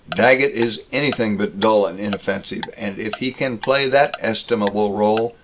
Daggett is anything but dull and inoffensive, and if he can play that estimable rôle